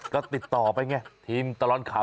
ก็ติดต่อไปไงทีมตลอดข่าว